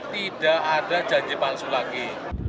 tidak ada janji palsu lagi